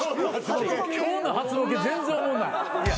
今日の初ボケ全然おもんない。